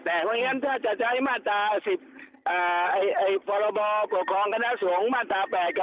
แต่อย่างนั้นถ้าจะใช้มาตรสิบอ่าไอไอปรบประกองคณะสงฆ์